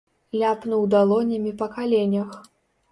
Ляпнуў далонямі па каленях.